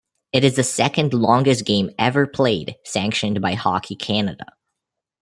It is the second longest game ever played sanctioned by Hockey Canada.